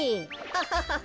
ハハハハ。